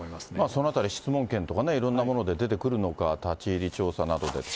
そのあたり、質問権などいろんなもので出てくるのか、立ち入り調査などで。